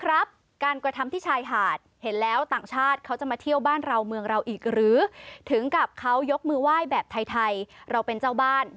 ระบุข้อความเขียนว่า